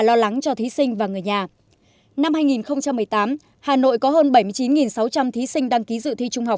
lo lắng cho thí sinh và người nhà năm hai nghìn một mươi tám hà nội có hơn bảy mươi chín sáu trăm linh thí sinh đăng ký dự thi trung học